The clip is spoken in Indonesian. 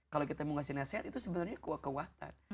kalo kita mau ngasih nasihat itu sebenernya kewakatan